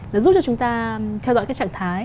nó giúp cho chúng ta theo dõi cái trạng thái